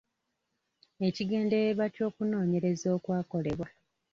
Ekigendererwa ky’okunoonyereza okwakolebwa.